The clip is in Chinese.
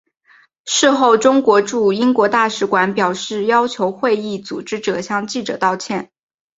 事后中国驻英国大使馆表示要求会议组织者向记者道歉。